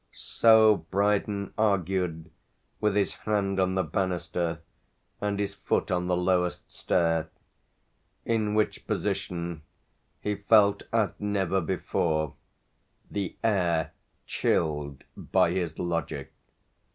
So Brydon argued with his hand on the banister and his foot on the lowest stair; in which position he felt as never before the air chilled by his logic.